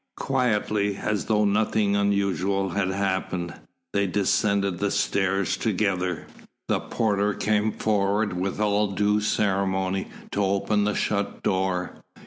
Quietly, as though nothing unusual had happened, they descended the stairs together. The porter came forward with all due ceremony, to open the shut door.